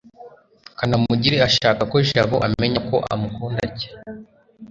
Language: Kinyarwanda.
kanamugire ashaka ko jabo amenya ko amukunda cy